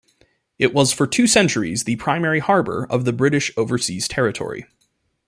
It was for two centuries the primary harbour of the British Overseas Territory.